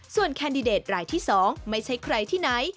ส่วนแคนดิเดตรายที่๒ไม่ใช่ใครที่ไหน